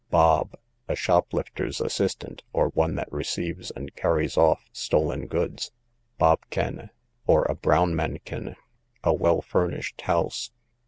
Bob, a shoplifter's assistant, or one that receives and carries off stolen goods. Bob ken, or a Brownmanken, a well furnished house.